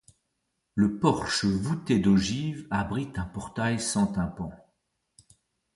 Le porche voûté d'ogives abrite un portail sans tympan.